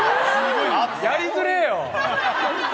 やりづれえよ！